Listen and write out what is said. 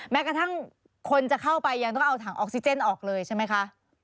แม้กระทั่งคนจะเข้าไปยังต้องเอาถังออกซิเจนออกเลยใช่ไหมคะ